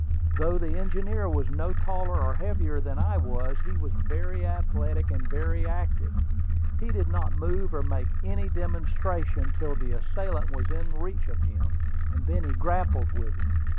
Though the engineer was no taller or heavier than I was, he was very athletic and very active. He did not move or make any demonstration till the assailant was within reach of him, and then he grappled with him.